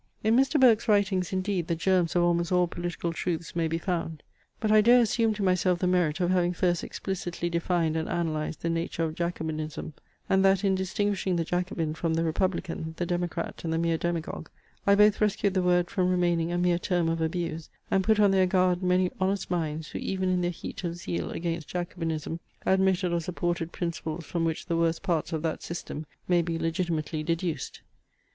In Mr. Burke's writings indeed the germs of almost all political truths may be found. But I dare assume to myself the merit of having first explicitly defined and analyzed the nature of Jacobinism; and that in distinguishing the Jacobin from the republican, the democrat, and the mere demagogue, I both rescued the word from remaining a mere term of abuse, and put on their guard many honest minds, who even in their heat of zeal against Jacobinism, admitted or supported principles from which the worst parts of that system may be legitimately deduced.